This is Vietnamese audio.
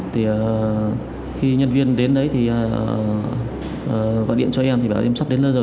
thì khi nhân viên đến đấy gọi điện cho em bảo em sắp đến nơi rồi